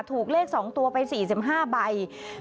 เลข๒ตัวไป๔๕ใบ